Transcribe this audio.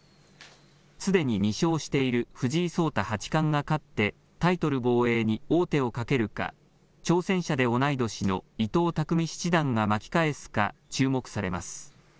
すでに２勝している藤井聡太八冠が勝ってタイトル防衛に王手をかけるか、挑戦者で同い年の伊藤匠七段が巻き返すか注目されます。